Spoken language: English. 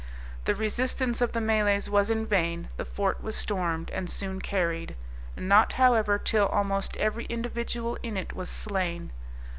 The resistance of the Malays was in vain, the fort was stormed, and soon carried; not, however, till almost every individual in it was slain.